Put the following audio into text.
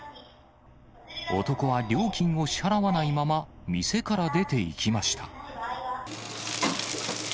男は料金を支払わないまま、店から出ていきました。